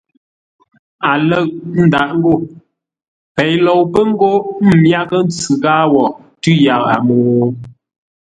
A lə̂ʼ ńdáʼ ngô: Pei lou pə́ ńgó m myághʼə́ ntsʉ ghâa wo tʉ́ yaʼa mô?